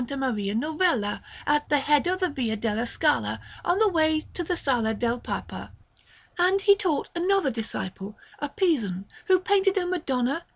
Maria Novella, at the head of the Via della Scala, on the way to the Sala del Papa; and he taught another disciple, a Pisan, who painted a Madonna, S.